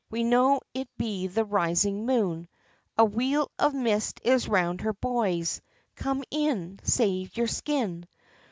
We know it be the risin' moon, A wheel of mist is round her boys, Come in, an' save yer skin!"